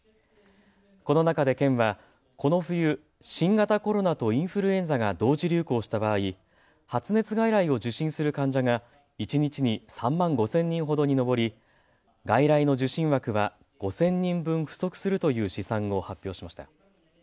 この中で県はこの冬、新型コロナとインフルエンザが同時流行した場合、発熱外来を受診する患者が一日に３万５０００人ほどに上り外来の受診枠は５０００人分不足するという試算を発表しました。